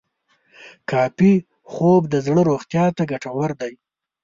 کافي خوب د زړه روغتیا ته ګټور دی.